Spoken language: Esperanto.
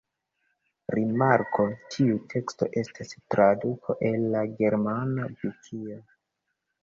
Rimarko: Tiu teksto estas traduko el la germana vikio.